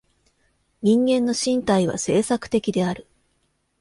人間の身体は制作的である。